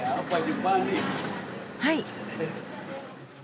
はい。